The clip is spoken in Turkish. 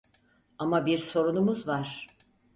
Ama bir sorunumuz var.